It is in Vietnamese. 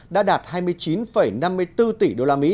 đã đạt hai mươi chín năm mươi bốn tỷ usd